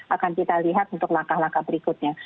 akan kita lihat untuk langkah langkah berikutnya